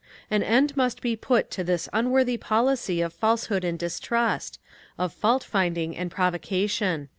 An end must be put to this unworthy policy of falsehood and distrust, of fault finding and provocation.